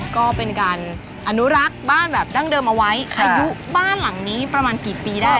ก็เป็นการอนุรักษ์บ้านแบบดั้งเดิมเอาไว้อายุบ้านหลังนี้ประมาณกี่ปีได้